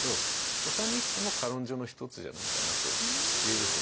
「土佐日記」も歌論書の一つじゃないかなといえると思いますね。